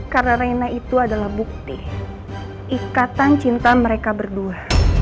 karena reina itu adalah bukti ikatan cinta mereka berdua